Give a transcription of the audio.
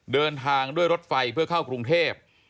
เดินทางด้วยรถไฟเพื่อเข้ากรุงเทพ